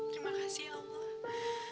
terima kasih ya allah